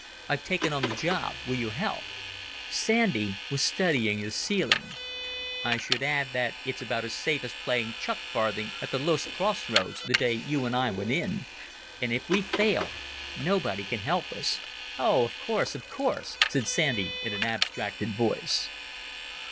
I've taken on the job. Will you help?" Sandy was studying the ceiling. "I should add that it's about as safe as playing chuck farthing at the Loos Cross roads, the day you and I went in. And if we fail nobody can help us." "Oh, of course, of course," said Sandy in an abstracted voice.